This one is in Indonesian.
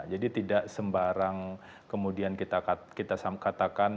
jadi tidak sembarang kemudian kita katakan